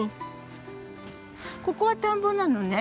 ここは田んぼなのね。